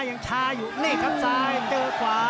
พี่ชิดชัยเจอขวา